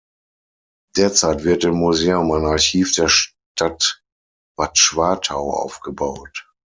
Derzeit wird im Museum ein Archiv der Stadt Bad Schwartau aufgebaut.